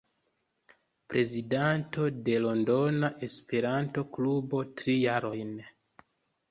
Prezidanto de Londona Esperanto-Klubo tri jarojn.